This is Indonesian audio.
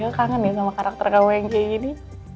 aku kangen ya sama karakter kamu yang kayak gini